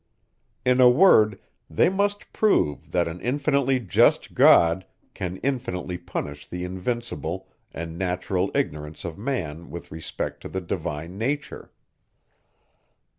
In a word, they must prove, that an infinitely just God can infinitely punish the invincible and natural ignorance of man with respect to the divine nature.